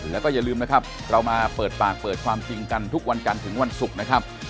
แล้วก็อย่าลืมนะครับเรามาเปิดปากเปิดความจริงกันทุกวันจันทร์ถึงวันศุกร์นะครับ